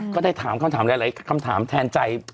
ก็ได้ถามคำถามหลายคำถามแทนใจ